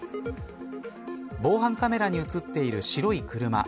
防犯カメラに映っている白い車